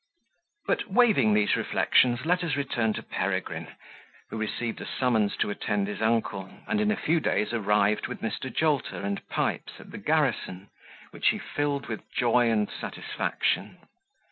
But, waiving these reflections, let us return to Peregrine, who received a summons to attend his uncle, and in a few days arrived with Mr. Jolter and Pipes at the garrison, which he filled with joy and satisfaction.